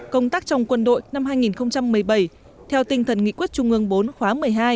công tác trong quân đội năm hai nghìn một mươi bảy theo tinh thần nghị quyết trung ương bốn khóa một mươi hai